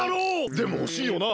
でもおしいよな？